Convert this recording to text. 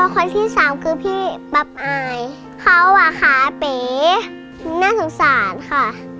คนที่สามคือพี่ปับอายเขาอ่ะขาเป๋น่าสงสารค่ะ